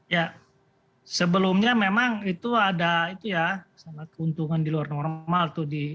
ya sebelumnya memang itu ada itu ya sangat keuntungan di luar normal tuh di minyak goreng itu sudah berubah